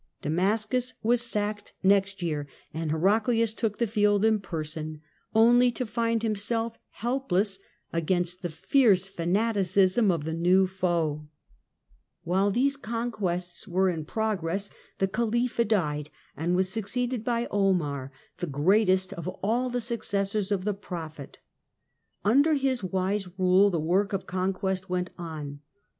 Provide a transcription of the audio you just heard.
Damascus was sacked next year, ami Heraclius took the field in person, only to find himself helpless against the fierce fanaticism of the new foe. THE RISE OF MOHAMMEDANISM 77 While these conquests were in progress, the Khalifa Jerusalem, died and was succeeded by Omar, the greatest of all the successors of the prophet. Under his wise rule the work of conquest went on.